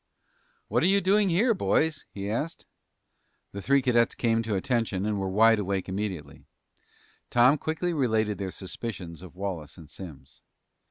"What are you doing here, boys?" he asked. The three cadets came to attention and were wide awake immediately. Tom quickly related their suspicions of Wallace and Simms.